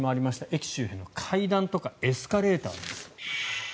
駅周辺の階段とかエスカレーターです。